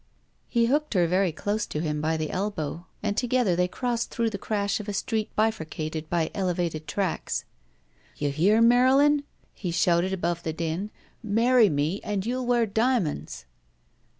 He hooked her very close to him by the elbow, and together they crossed through the crash of a street bifurcated by elevated tracks. "You hear, Marylin," he shouted above the din. "Marry me and you'll wear diamonds."